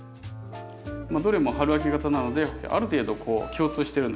どれも春秋型なのである程度共通してるんですよ